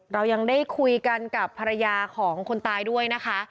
เรายังได้คุยกันกับภรรยาของคนตายด้วยนะคะ